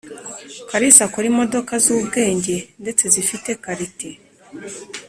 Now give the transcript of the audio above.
Kalisa akora imodoka z’ubwenge ndetse zifite qualite